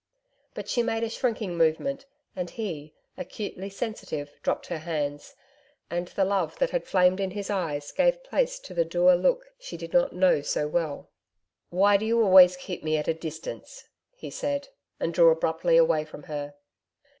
But she made a shrinking movement, and he, acutely sensitive, dropped her hands, and the love that had flamed in his eyes gave place to the dour look she did not know so well. 'Why do you always keep me at a distance?' he said, and drew abruptly away from her.